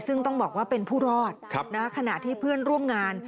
ซึ่งต้องบอกว่าเป็นผู้รอดขณะที่เพื่อนร่วมงาน